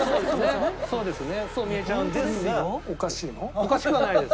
おかしくはないです。